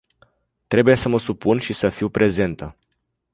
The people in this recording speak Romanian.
Trebuie să mă supun și să fiu prezentă.